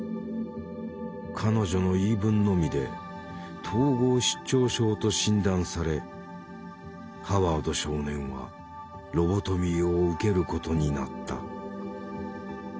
彼女の言い分のみで統合失調症と診断されハワード少年はロボトミーを受けることになった。